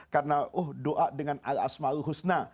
karena oh doa dengan al asma'ul husna